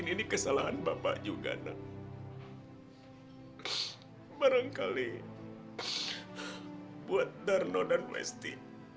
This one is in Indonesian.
mereka sudah tidak punya bapak lagi